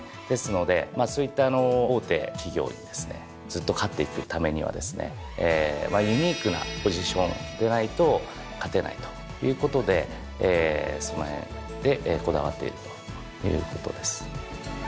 ですのでそういった大手企業にですねずっと勝っていくためにはですねユニークなポジションでないと勝てないということでその辺でこだわっているということです。